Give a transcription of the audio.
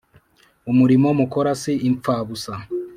umurimo mukora si impfabusa